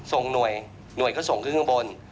ส่งหน่วยหน่วยก็ส่งขึ้นข้างบน